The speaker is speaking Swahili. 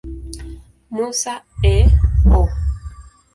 Musa, A. O.